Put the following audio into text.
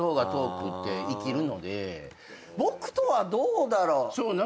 僕とはどうだろう。